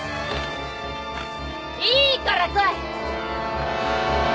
いいから来い！